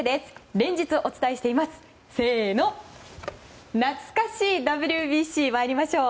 連日お伝えしていますなつか史ＷＢＣ、参りましょう。